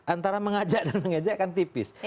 antara mengajak dan mengejek kan tipis